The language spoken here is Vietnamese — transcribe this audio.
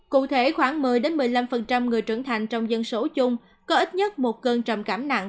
cụ thể khoảng một mươi một mươi năm người trưởng thành trong dân số chung có ít nhất một cơn trầm cảm nặng